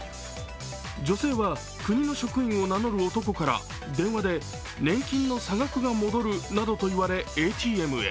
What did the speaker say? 女性は国の職員を名乗る男から電話で年金の差額が戻るなどと言われＡＴＭへ。